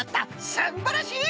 すんばらしい！